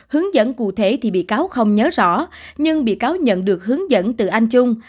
hướng dẫn cụ thể thì bị cáo không nhớ rõ nhưng bị cáo nhận được hướng dẫn từ anh trung